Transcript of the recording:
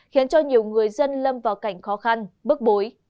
khiến cho nhiều người dân lâm vào cảnh khó khăn bức bối